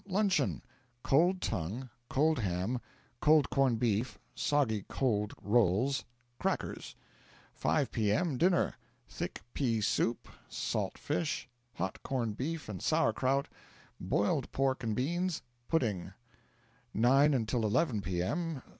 luncheon: cold tongue, cold ham, cold corned beef, soggy cold rolls, crackers; 5 P.M., dinner: thick pea soup, salt fish, hot corned beef and sour kraut, boiled pork and beans, pudding; 9 till 11 P.M.